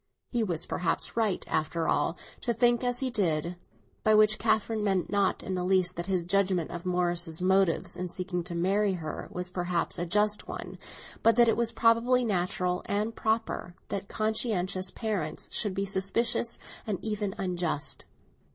He was perhaps right, after all, to think as he did; by which Catherine meant not in the least that his judgement of Morris's motives in seeking to marry her was perhaps a just one, but that it was probably natural and proper that conscientious parents should be suspicious and even unjust.